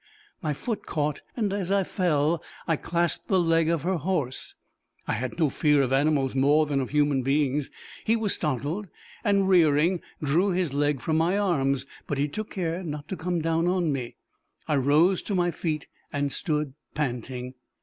My foot caught, and as I fell, I clasped the leg of her horse: I had no fear of animals more than of human beings. He was startled, and rearing drew his leg from my arms. But he took care not to come down on me. I rose to my feet, and stood panting.